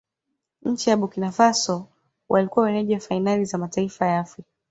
nchi ya burkina faso walikuwa wenyeji wa fainali za mataifa ya afrika